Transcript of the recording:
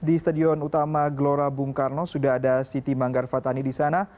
di stadion utama gelora bung karno sudah ada siti manggar fatani di sana